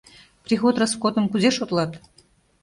Приход-роскотым кузе шотлат?